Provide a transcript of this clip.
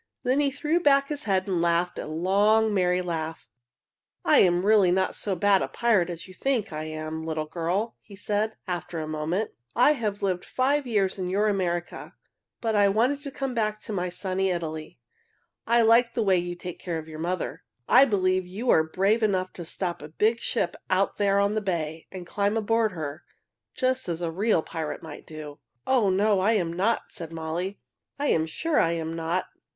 Then he threw back his head and laughed a loud, merry laugh. "I really am not so bad a pirate as you think I am, little girl," he said, after a moment. "I have lived five years in your America, but I wanted to come back to my sunny Italy. I like the way you take care of your mother. I believe you are brave enough to stop a big ship out there on the bay and climb aboard her, just as a real pirate might do." "Oh, no, I am not!" said Molly. "I am sure I am not!"